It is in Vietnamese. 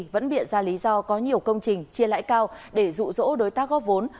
vẫn bịa ra lý do có nhiều công trình chia lại cao để rụ rỗ đối tác góp vốn